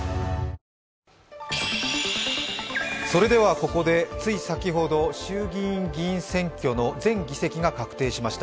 ここでつい先ほど、衆議院議員選挙の全議席が確定しました。